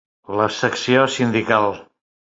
La secció sindical.